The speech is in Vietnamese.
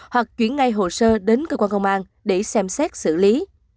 hoặc chuyển ngay hồ sơ đến cơ quan công an để xem xét xử lý